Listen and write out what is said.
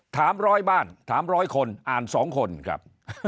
ร้อยบ้านถามร้อยคนอ่าน๒คนครับ